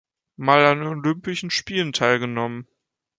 Mal an Olympischen Spielen teilgenommen.